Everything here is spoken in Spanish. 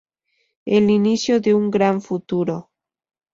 El inicio de un gran futuro".